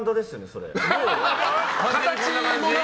それ。